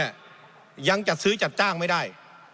ยังจัดซื้อจัดจ้างไม่ได้